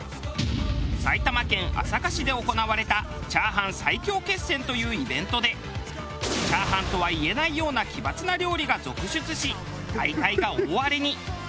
埼玉県朝霞市で行われたチャーハン最強決戦というイベントでチャーハンとは言えないような奇抜な料理が続出し大会が大荒れに。